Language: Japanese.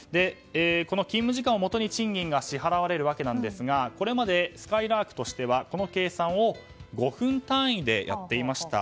この勤務時間をもとに賃金が支払われるわけですがこれまで、すかいらーくとしてはこの計算を５分単位でやっていました。